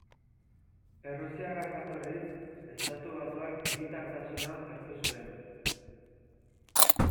Errusiarra jatorriz, estatubatuar hiritartasuna hartu zuen.